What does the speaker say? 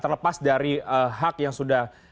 terlepas dari hak yang sudah